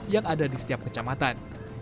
yang ada di setiap kecamatan